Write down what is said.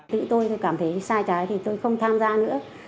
tự tôi cảm thấy sai trái thì tôi không tham gia nữa